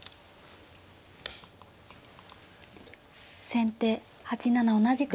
先手８七同じく銀。